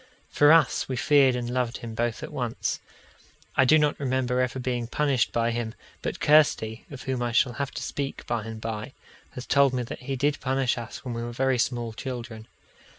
For us, we feared and loved him both at once. I do not remember ever being punished by him, but Kirsty (of whom I shall have to speak by and by) has told me that he did punish us when we were very small children.